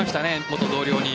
元同僚に。